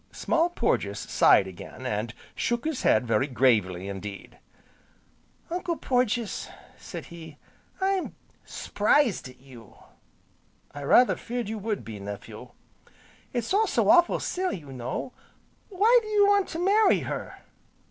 Small Porges sighed again, and shook his head very gravely indeed: "Uncle Porges," said he, "I'm s'prised at you!" "I rather feared you would be, nephew." "It's all so awful' silly, you know! why do you want to marry her?"